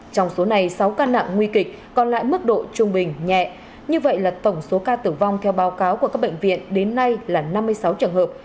trong số này sáu ca nặng nguy kịch còn lại mức độ trung bình nhẹ như vậy là tổng số ca tử vong theo báo cáo của các bệnh viện đến nay là năm mươi sáu trường hợp